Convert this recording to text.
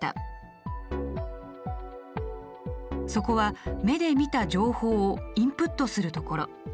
そこは目で見た情報をインプットするところ。